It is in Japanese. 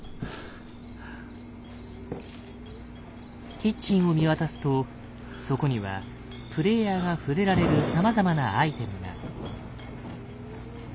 キッチンを見渡すとそこにはプレイヤーが触れられるさまざまなアイテムが。